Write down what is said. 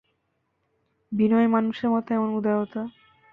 বিনয়ী মানুষের মতো এমন উদারতা!